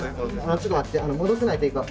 ちょっと待って戻さないといかん。